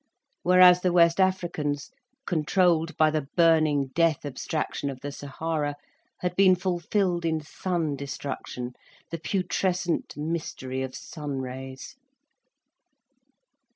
Whereas the West Africans, controlled by the burning death abstraction of the Sahara, had been fulfilled in sun destruction, the putrescent mystery of sun rays.